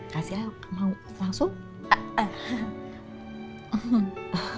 kasih lah mau langsung